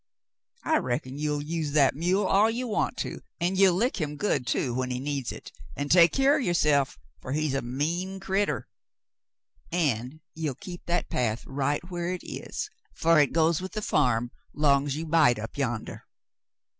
I reckon you'll use that mule all ye want to, an' ye'll lick him good, too, when he needs hit, an' take keer o' yourself, fer he's a mean critter; an' ye'll keep that path right whar hit is, fer hit goes with the farm long's you bide up yandah."